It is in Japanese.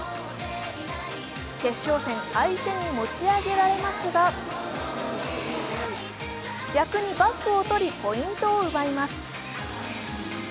決勝戦、相手に持ち上げられますが逆にバックをとり、ポイントを奪います。